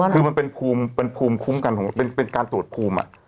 คือมันเป็นภูมิคุ้มกันของเป็นการตรวจภูมิ